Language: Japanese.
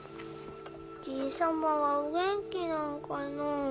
じいさまはお元気なんかなあ。